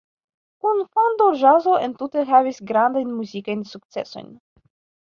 Kunfando-ĵazo entute havis grandajn muzikajn sukcesojn.